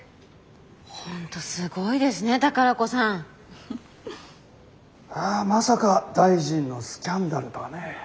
ホントすごいですね宝子さん。まさか大臣のスキャンダルとはねえ。